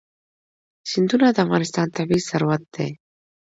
سیندونه د افغانستان طبعي ثروت دی.